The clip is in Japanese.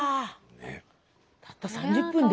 たった３０分で。